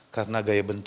karena gaya bentuknya